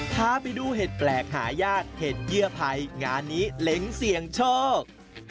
พาไปดูเห็ดแปลกหายากเห็ดเยื่อภัยงานนี้เหล็งเสี่ยงโชค